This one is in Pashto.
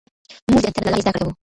موږ د انټرنېټ له لارې زده کړه کوو.